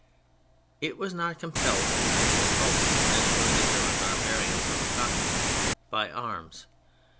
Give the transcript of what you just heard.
It was not compelled to the Christian culture, as were the German barbarians of the Continent, by arms.